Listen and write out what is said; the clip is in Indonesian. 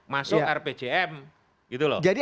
masuk rpjm gitu loh